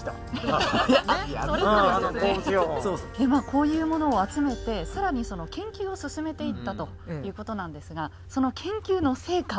こういう物を集めて更に研究を進めていったということなんですがその研究の成果